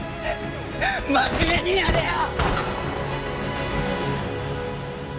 真面目にやれよ！